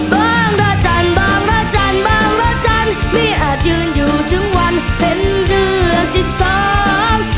พระจันทร์บางพระจันทร์บางพระจันทร์ไม่อาจยืนอยู่ถึงวันเป็นเดือนสิบสอง